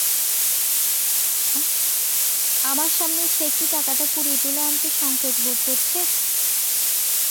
আমার সামনে সে কি টাকাটা কুড়িয়ে তুলে আনতে সংকোচ বোধ করছে?